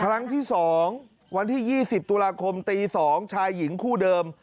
ครั้งที่๒วันที่๒๐ตุลาคมตี๒ชายหญิงคู่เดิม